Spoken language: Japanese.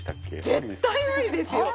絶対無理ですよ！